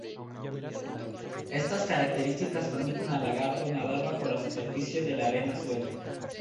Estas características permiten al lagarto nadar bajo la superficie de la arena suelta.